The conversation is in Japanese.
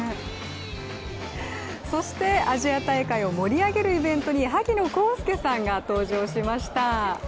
そして、アジア大会を盛り上げるイベントに萩野公介さんが登場しました。